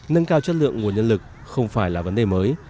nâng cao chất lượng nguồn nhân lực không phải là vấn đề mới